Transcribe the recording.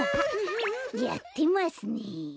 やってますね。